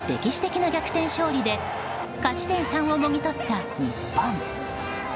ドイツを２対１で破る歴史的な逆転勝利で勝ち点３をもぎ取った日本。